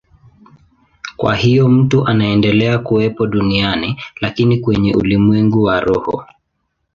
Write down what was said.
Kwa hiyo mtu anaendelea kuwepo duniani, lakini kwenye ulimwengu wa roho.